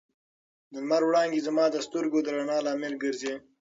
د لمر وړانګې زما د سترګو د رڼا لامل ګرځي.